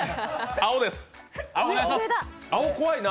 青、怖いな。